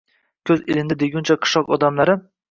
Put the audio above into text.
Ko‘zi ilindi deguncha qishloq odamlari